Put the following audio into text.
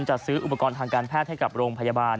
จัดซื้ออุปกรณ์ทางการแพทย์ให้กับโรงพยาบาล